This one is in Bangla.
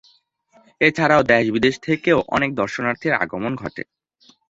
এছাড়াও দেশ বিদেশ থেকেও অনেক দর্শনার্থীর আগমন ঘটে।